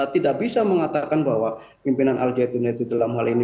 tidak bisa mengatakan bahwa pimpinan al zaitun itu dalam hal ini